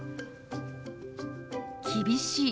「厳しい」。